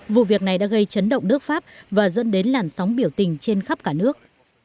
vụ việc này đã gây chấn động nước pháp và dẫn đến làn sóng biểu tình trên khắp cả nước